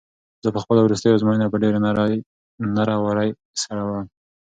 زه به خپله وروستۍ ازموینه په ډېرې نره ورۍ سره ورکوم.